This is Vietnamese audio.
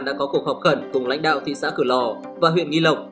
đã có cuộc họp khẩn cùng lãnh đạo thị xã cửa lò và huyện nghi lộc